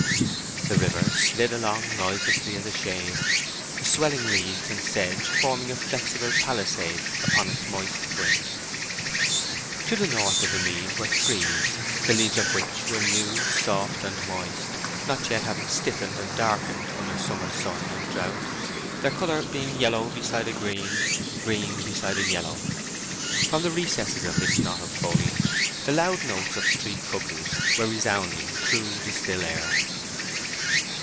The river slid along noiselessly as a shade, the swelling reeds and sedge forming a flexible palisade upon its moist brink. To the north of the mead were trees, the leaves of which were new, soft, and moist, not yet having stiffened and darkened under summer sun and drought, their colour being yellow beside a green—green beside a yellow. From the recesses of this knot of foliage the loud notes of three cuckoos were resounding through the still air.